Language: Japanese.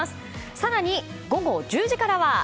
更に、午後１０時からは。